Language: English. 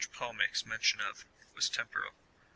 Paul makes mention of, was temporal.'